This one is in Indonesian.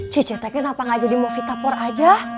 cucu tapi kenapa gak jadi mau fitapor aja